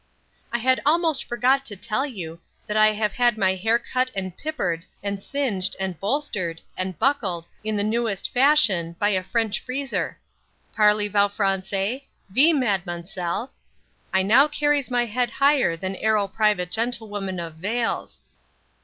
I had almost forgot to tell you, that I have had my hair cut and pippered, and singed, and bolstered, and buckled, in the newest fashion, by a French freezer Parley vow Francey Vee madmansell I now carries my head higher than arrow private gentlewoman of Vales.